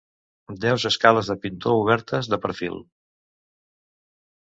Deus escales de pintor obertes, de perfil.